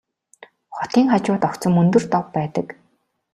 Хотын хажууд огцом өндөр дов байдаг.